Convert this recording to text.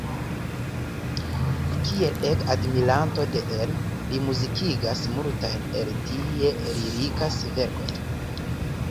Kiel ega admiranto de Heine li muzikigis multajn el ties lirikaj verkoj.